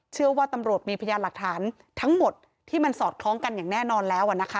เชื่อว่าตำรวจมีพยานหลักฐานทั้งหมดที่มันสอดคล้องกันอย่างแน่นอนแล้วนะคะ